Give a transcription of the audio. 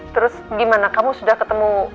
terus gimana kamu sudah ketemu